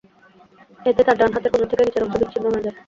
এতে তাঁর ডান হাতের কনুই থেকে নিচের অংশ বিচ্ছিন্ন হয়ে যায়।